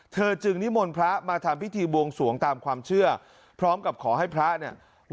เธอจึงนิมนต์พระมาทำพิธีบวงสวงตามความเชื่อพร้อมกับขอให้พระเนี่ย